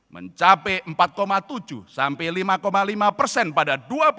mencapai empat tujuh sampai lima lima persen pada dua ribu dua puluh